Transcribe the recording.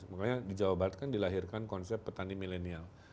makanya di jawa barat kan dilahirkan konsep petani milenial